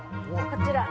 こちら。